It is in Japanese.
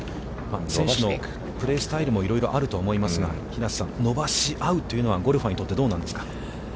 選手のプレースタイルも、いろいろあると思いますが、平瀬さん、伸ばし合うというのはゴルファーにとってどうですか。